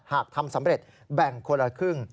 หากทำสำเร็จแบ่งคนละครึ่ง